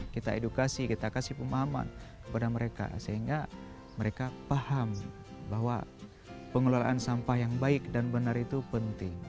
kita edukasi kita kasih pemahaman kepada mereka sehingga mereka paham bahwa pengelolaan sampah yang baik dan benar itu penting